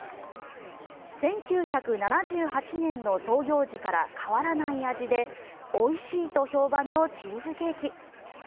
１９７８年の創業時から変わらない味でおいしいと評判のチーズケーキ。